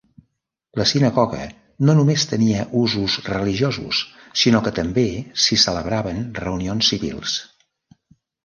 La sinagoga no només tenia usos religiosos sinó que també s'hi celebraven reunions civils.